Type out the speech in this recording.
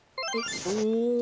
お！